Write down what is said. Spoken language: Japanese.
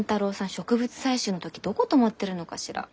植物採集の時どこ泊まってるのかしら？